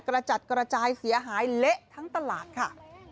กระจัดกระจายเสียหายเละทั้งตลาดค่ะ